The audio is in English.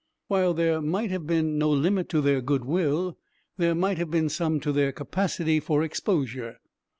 While there might have been no limit to their good will, there might have been some to their capacity for exposure.